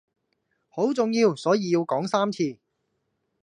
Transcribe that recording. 好重要所以要講三次